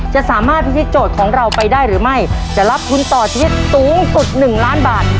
จะสามารถพิธีโจทย์ของเราไปได้หรือไม่จะรับทุนต่อชีวิตสูงสุดหนึ่งล้านบาท